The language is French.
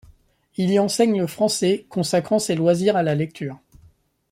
Il y enseigne le français, consacrant ses loisirs à la lecture.